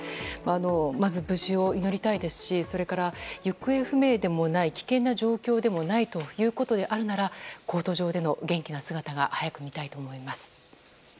まず、無事を祈りたいですしそれから、行方不明でもない危険な状況でもないということならコート上での元気な姿が早く見たいと思います。